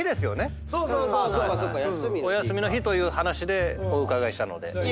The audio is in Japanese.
お休みの日という話でお伺いしたので。